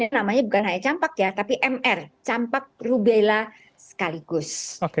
namanya bukan hanya campak ya tapi mr campak rubella sekaligus